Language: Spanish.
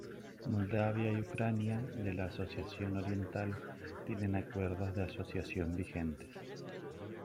Moldavia y Ucrania, de la Asociación Oriental, tienen acuerdos de asociación vigentes.